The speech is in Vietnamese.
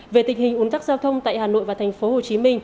về tình hình ủn tắc giao thông tại hà nội và tp hcm